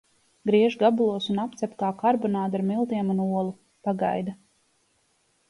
Griež gabalos un apcep kā karbonādi ar miltiem un olu. Pagaida.